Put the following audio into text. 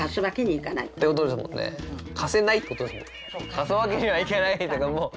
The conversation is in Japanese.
貸すわけにはいかないけども。